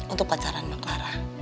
untuk pacaran sama clara